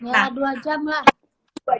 ya dua jam lah